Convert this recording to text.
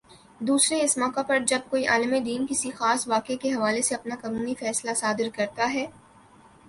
دوسرے اس موقع پر جب کوئی عالمِ دین کسی خاص واقعے کے حوالے سے اپنا قانونی فیصلہ صادر کرتا ہے